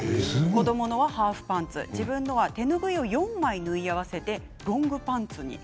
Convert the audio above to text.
子どものものはハーフパンツ自分のものは手ぬぐいを４枚縫い合わせてロングパンツに。